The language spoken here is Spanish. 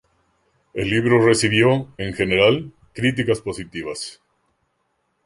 El libro recibió, en general, críticas positivas.